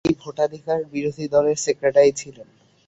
তিনি পিটফোর্ডের নারী ভোটাধিকার বিরোধী দলের সেক্রেটারি ছিলেন।